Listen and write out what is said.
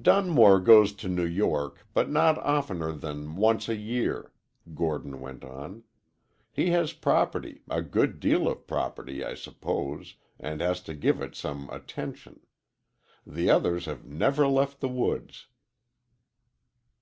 "Dunmore goes to New York, but not oftener than once a year," Gordon went on. "He has property a good deal of property, I suppose, and has to give it some attention. The others have never left the woods."